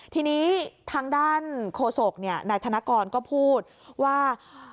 ทีนี้ทางด้านโฆษกนายธนกรก็พูดว่า